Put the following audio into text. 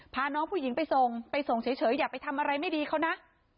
พาน้องผู้หญิงไปส่งไปส่งเฉยอย่าไปทำอะไรไม่ดีเขานะ